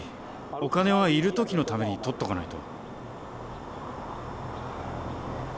お金はいるときのためにとっとかないと。